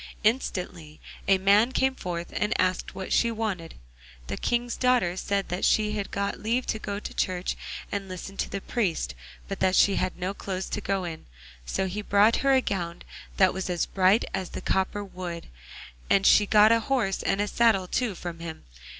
Instantly a man came forth and asked what she wanted. The King's daughter said that she had got leave to go to church and listen to the priest, but that she had no clothes to go in. So he brought her a gown that was as bright as the copper wood, and she got a horse and saddle too from him.